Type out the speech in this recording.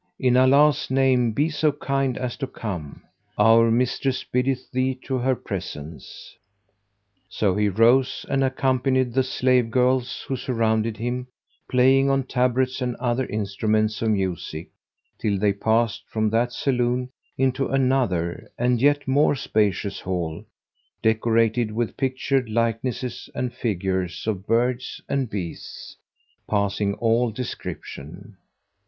in Allah's name be so kind as to come[FN#195]: our mistress biddeth thee to her presence!" So he rose and accompanied the slave girls who surrounded him, playing on tabrets and other instruments of music, till they passed from that saloon into another and a yet more spacious hall, decorated with pictured likenesses and figures of birds and beasts, passing all description.